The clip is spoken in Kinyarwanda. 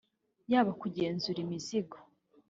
yaba kugenzura imizigo